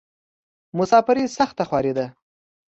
مسافري سخته خواری ده.